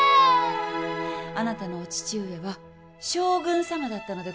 あなたのお父上は将軍様だったのでございますよ。